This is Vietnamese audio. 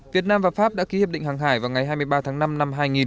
việt nam và pháp đã ký hiệp định hàng hải vào ngày hai mươi ba tháng năm năm hai nghìn